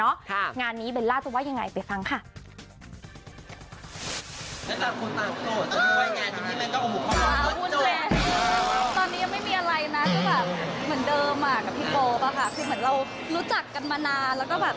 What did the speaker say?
ไม่จำเป็นว่าเราจะคบกันหรือว่าเรารู้จักกันแบบไหน